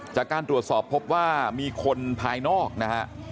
จากการตรวจสอบพบว่ามีคนภายนอกนะฮะ